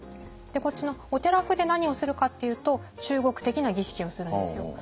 こっちのお寺風で何をするかっていうと中国的な儀式をするんですよ。